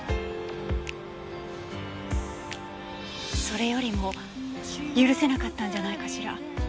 それよりも許せなかったんじゃないかしら。